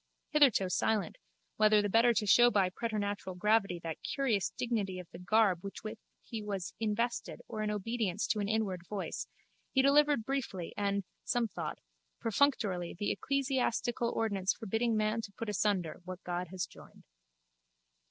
Hitherto silent, whether the better to show by preternatural gravity that curious dignity of the garb with which he was invested or in obedience to an inward voice, he delivered briefly and, as some thought, perfunctorily the ecclesiastical ordinance forbidding man to put asunder what God has joined.